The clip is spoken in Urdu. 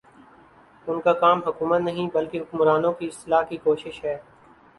ان کا کام حکومت نہیں، بلکہ حکمرانوں کی اصلاح کی کوشش ہے